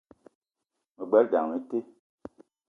Me gbelé dam le te